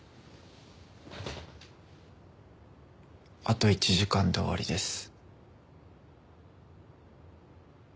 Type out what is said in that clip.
あと１時間で終わりです。